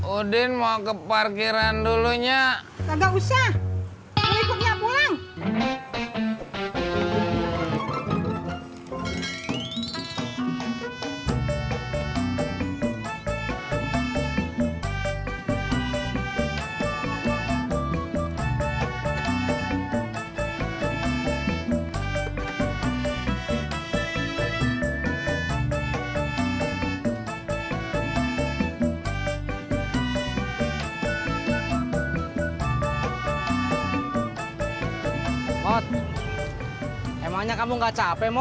udin mau ke parkiran dulunya enggak usah